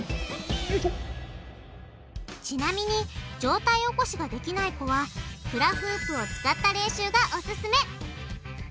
ちなみに上体起こしができない子はフラフープを使った練習がオススメ！